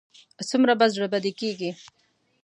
څومره به زړه بدی کېږي.